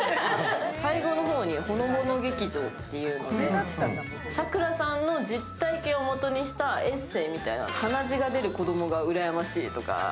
最後の方にほのぼの芸場ということで、さくらさんの実体験のエッセーみたいな、鼻血が出る子供がうらやましいとか。